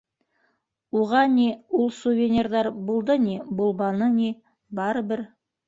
Уға, ни, ул сувенирҙар булды ни, булманы ни, барыбер.